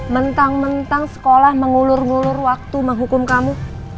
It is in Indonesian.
mentang mentang sekolah mengulur ngulur waktu menghukum kamu